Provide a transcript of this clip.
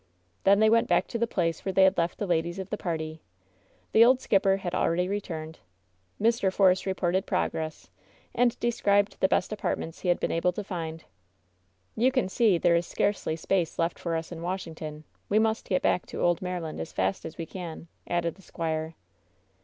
Then they went back to the place where they had left the ladies of the party. The old skipper had already returned. Mr. Force reported progress, and described the best apartments he had been able to find. "You see there is scarcely space left for us in Wash ington. We must get back to old Maryland as fast as we can,'* added the squire.